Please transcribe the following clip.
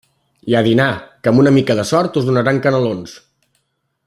I a dinar, que amb una mica de sort, us donaran canelons.